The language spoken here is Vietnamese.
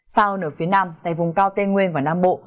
sau nửa phía nam tại vùng cao tây nguyên và nam bộ